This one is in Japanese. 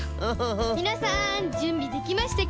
みなさんじゅんびできましたか？